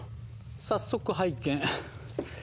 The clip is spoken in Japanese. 早速拝見。